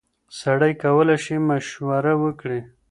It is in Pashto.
سړی کولی شي مشوره ورکړي.